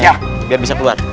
siap biar bisa keluar